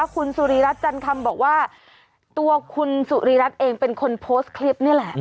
คุณสุริรัตนจันคำบอกว่าตัวคุณสุริรัตน์เองเป็นคนโพสต์คลิปนี่แหละ